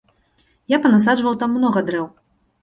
Я панасаджваў там многа дрэў.